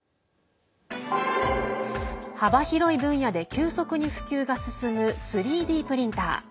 幅広い分野で急速に普及が進む３Ｄプリンター。